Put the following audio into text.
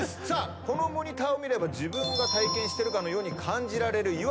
さあこのモニターを見れば自分が体験してるかのように感じられる。